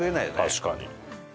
確かに。